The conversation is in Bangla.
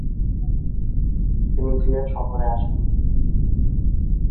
তিনি সিলেট সফরে আসেন।